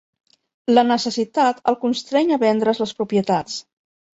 La necessitat el constreny a vendre's les propietats.